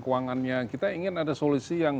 keuangannya kita ingin ada solusi yang